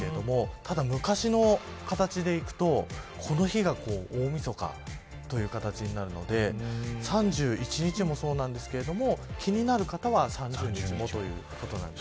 ただ、昔の形でいうとこの日が大みそかという形になるので３１日も、そうなんですけれども気になる方は３０日もということです。